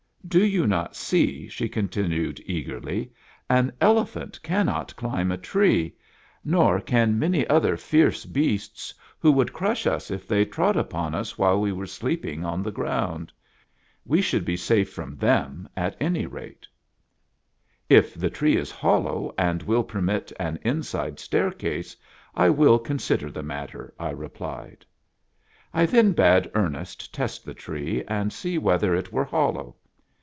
" Do you not see," she continued eagerly, "an ele phant cannot climb a tree ; nor can many other fierce HUNTING THE IGUANA. 15 "■'■■■•"'": "%i'AiuiS>. HUNTING THE IGUANA. beasts, who would crush us if they trod upon us while we were sleeping on the ground. We should be safe from them at any rate. " If the tree is hollow, and will permit an inside staircase, 1 will consider the matter," I replied. I then bade Ernest test the tree, and see whether it were hollow.